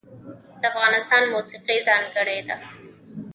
د افغانستان موسیقی ځانګړې ده